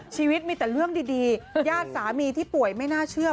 ชีวิตมีแต่เรื่องดีญาติสามีที่ป่วยไม่น่าเชื่อ